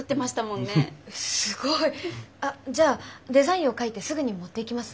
すごい！あっじゃあデザインを描いてすぐに持っていきます。